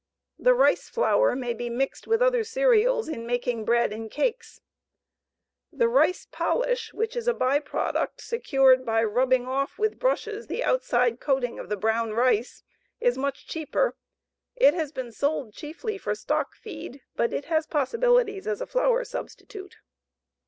The rice flour may be mixed with other cereals in making bread and cakes. The rice polish, which is a by product secured by rubbing off with brushes the outside coating of the brown rice, is much cheaper. It has been sold chiefly for stock feed, but it has possibilities as a flour substitute.